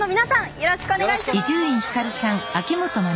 よろしくお願いします。